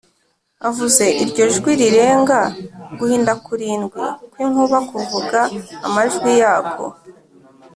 avuze iryo jwi rirenga guhinda kurindwi kw’inkuba kuvuga amajwi yako.